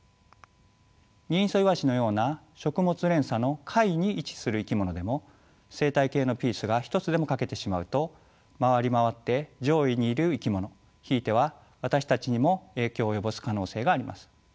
ギンイソイワシのような食物連鎖の下位に位置する生き物でも生態系のピースが一つでも欠けてしまうと回り回って上位にいる生き物ひいては私たちにも影響を及ぼす可能性があります。